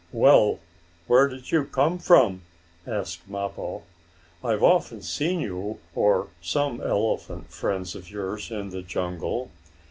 "Well, where did you come from?" asked Mappo. "I've often seen you, or some elephant friends of yours in the jungle.